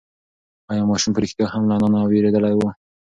ایا ماشوم په رښتیا هم له انا نه وېرېدلی و؟